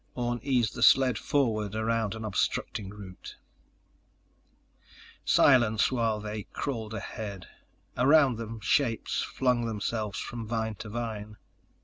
Orne eased the sled forward around an obstructing root. Silence while they crawled ahead. Around them shapes flung themselves from vine to vine.